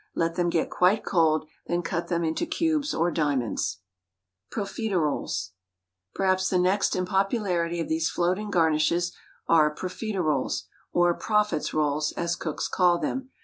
Let them get quite cold; then cut them into cubes or diamonds. Profiterolles. Perhaps the next in popularity of these floating garnishes are profiterolles, or "prophet's rolls," as cooks call them.